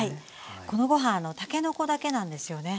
このご飯たけのこだけなんですよね。